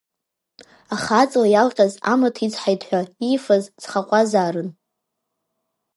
Аха аҵла иалҟьаз амаҭ ицҳаит ҳәа, иифаз цхаҟәазаарын…